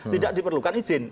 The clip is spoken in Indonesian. tidak diperlukan ijin